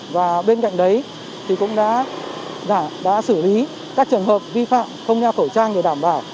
và bên cạnh đấy thì cũng đã xử lý các trường hợp vi phạm không đeo khẩu trang để đảm bảo